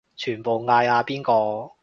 全部嗌阿邊個